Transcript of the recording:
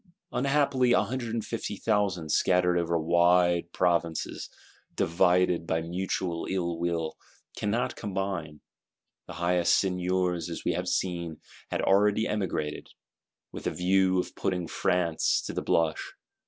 Unhappily, a hundred and fifty thousand, scattered over wide Provinces, divided by mutual ill will, cannot combine. The highest Seigneurs, as we have seen, had already emigrated,—with a view of putting France to the blush.